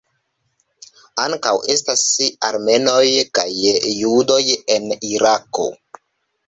Ankaŭ estas armenoj kaj judoj en Irako.